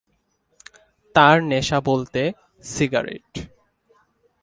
তার নেশা বলতে সিগারেট।